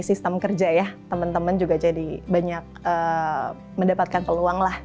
sistem kerja ya teman teman juga jadi banyak mendapatkan peluang lah